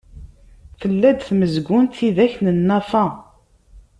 Tella-d tmezgunt tidak n Nna Fa.